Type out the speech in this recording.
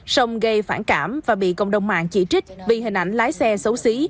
xong gây phản cảm và bị cộng đồng mạng chỉ trích vì hình ảnh lái xe xấu xí